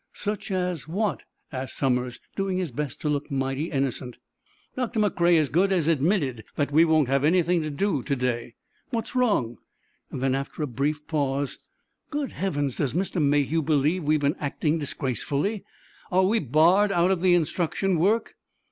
"Such as—what?" asked Somers, doing his best to look mighty innocent. "Doctor McCrea as good as admitted that we won't have anything to do to day. What's wrong?" Then, after a brief pause: "Good heavens, does Mr. Mayhew believe we've been acting disgracefully? Are we barred out of the instruction work?"